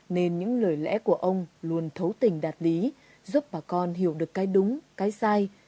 nên những lời lẽ của ông luôn thấu tình đạt lý giúp bà con hiểu được cái đúng cái sai